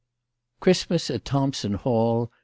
CHRISTMAS AT THOMPSON HALL.